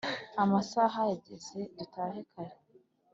amasaha yajyeze dutahe kare